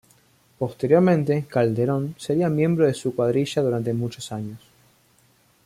Posteriormente, Calderón sería miembro de su cuadrilla durante muchos años.